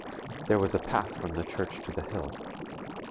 There was a path from the church to the hill.